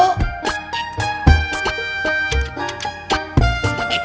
pak tadi uni telpon